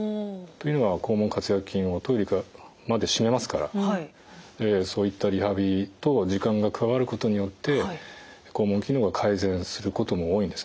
というのは肛門括約筋をトイレまで締めますからそういったリハビリと時間が加わることによって肛門機能が改善することも多いんですね。